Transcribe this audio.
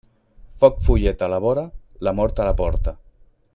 Foc follet a la vora, la mort a la porta.